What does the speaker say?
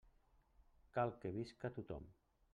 Cal que visca tothom.